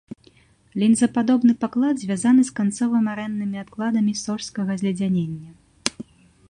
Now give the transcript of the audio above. Лінзападобны паклад звязаны з канцова-марэннымі адкладамі сожскага зледзянення.